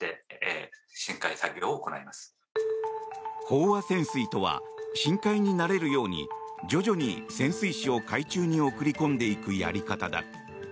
飽和潜水とは深海に慣れるように徐々に潜水士を海中に送り込んでいくやり方だ。